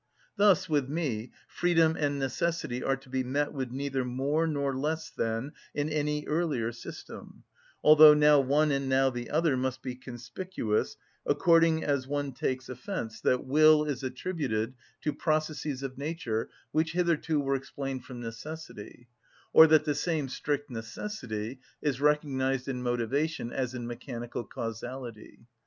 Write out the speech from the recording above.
Thus with me freedom and necessity are to be met with neither more nor less than in any earlier system; although now one and now the other must be conspicuous according as one takes offence that will is attributed to processes of nature which hitherto were explained from necessity, or that the same strict necessity is recognised in motivation as in mechanical causality.